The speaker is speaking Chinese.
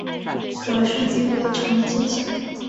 可升级成金将。